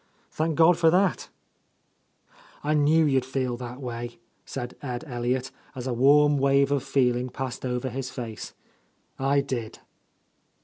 "Thank God for thatl" "I knew you'd feel that way," said Ed El liot, as a warm wave of feeling passed over his face. "I did!"